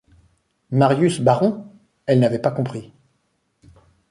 Marius baron ? elle n’avait pas compris.